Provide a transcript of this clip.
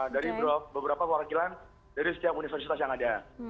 dari beberapa perwakilan dari setiap universitas yang ada